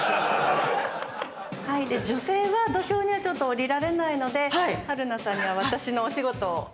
女性は土俵には下りられないので春菜さんには私のお仕事を。